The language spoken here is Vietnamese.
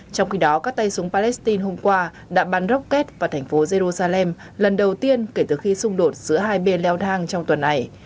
trong khi đó các tay súng palestine hôm qua đã bắn rocket vào thành phố jerusalem lần đầu tiên kể từ khi xung đột giữa hai bên leo thang trong tuần này